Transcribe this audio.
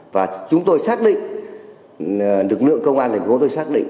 và chúng tôi xác định lực lượng công an thành phố tôi xác định